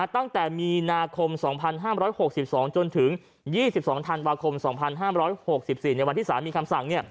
ตั้งแต่มีนาคม๒๕๖๒จนถึง๒๒ธันวาคม๒๕๖๔ในวันที่สารมีคำสั่ง